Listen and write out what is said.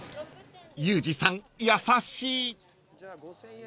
［ユージさん優しい］